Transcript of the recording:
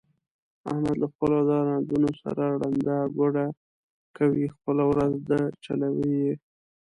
احمد له خپلو اولادونو سره ړنده ګوډه کوي، خپله ورځ ده چلوي یې.